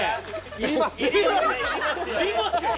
いりますよね。